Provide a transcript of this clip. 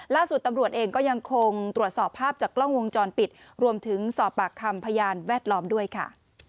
ล่าสุดตำรวจเองก็ยังคงตรวจสอบภาพจากกล้องวงจรปิดรวมถึงสอบปากคำพยานแวดล้อมด้วยค่ะ